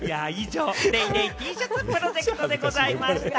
以上、『ＤａｙＤａｙ．』Ｔシャツプロジェクトでございました。